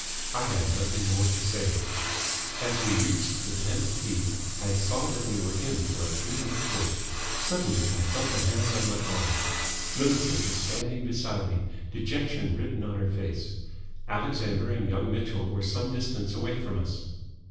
I had nothing more to say. As we reached the tenth tee, I saw that we were in for a few minutes' wait. Suddenly I felt a hand on my arm. Millicent was standing beside me, dejection written on her face. Alexander and young Mitchell were some distance away from us.